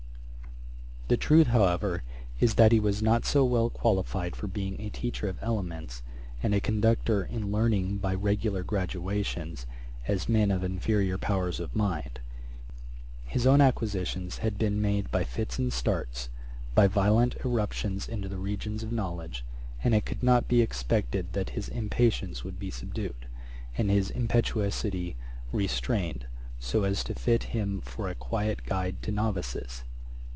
The truth, however, is, that he was not so well qualified for being a teacher of elements, and a conductor in learning by regular gradations, as men of inferiour powers of mind. His own acquisitions had been made by fits and starts, by violent irruptions into the regions of knowledge; and it could not be expected that his impatience would be subdued, and his impetuosity restrained, so as to fit him for a quiet guide to novices.